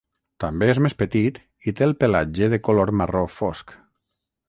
També és més petit i té el pelatge de color marró fosc.